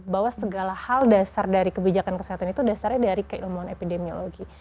bahwa segala hal dasar dari kebijakan kesehatan itu dasarnya dari keilmuan epidemiologi